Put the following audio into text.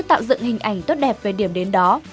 tạo dựng hình ảnh tốt đẹp về điểm đến đó